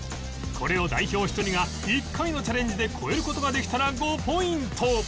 これを代表一人が１回のチャレンジで超える事ができたら５ポイント